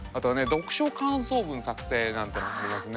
読書感想文作成なんていうのもありますね。